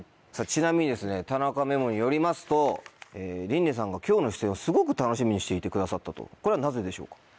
ちなみにですね田中ＭＥＭＯによりますとＲｉｎ音さんが今日の出演をすごく楽しみにしていてくださったとこれはなぜでしょうか？